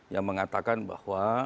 yang mengatakan bahwa